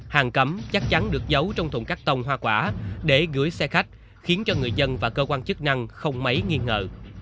hàng cấm chắc chắn được giấu trong thùng cắt tông hoa quả để gửi xe khách khiến cho người dân và cơ quan chức năng không mấy nghi ngờ